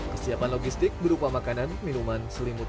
kesiapan logistik berupa makanan minuman selimut